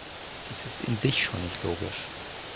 Dies ist in sich schon nicht logisch!